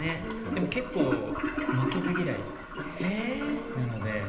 でも結構、負けず嫌いなので。